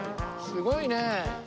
すごいね！